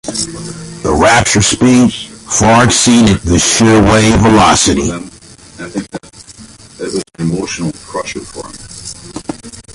The rupture speed far exceeded the shear wave velocity.